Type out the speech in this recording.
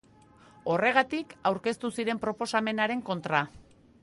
Horregatik aurkeztu ziren proposamenaren kontra.